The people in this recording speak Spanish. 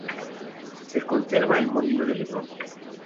Se conserva el molino de Lebrón.